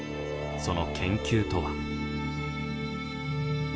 その研究とは。